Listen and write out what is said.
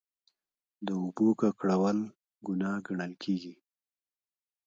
د اوبو ککړول ګناه ګڼل کیږي.